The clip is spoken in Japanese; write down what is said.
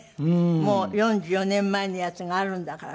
もう４４年前のやつがあるんだからすごい。